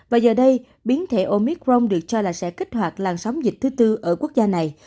và giờ đây biến thể omicron được cho là sẽ kích hoạt làn sóng dịch thứ tư ở quốc gia này